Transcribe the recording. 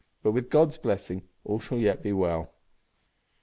But with God's blessing, all shall yet be well."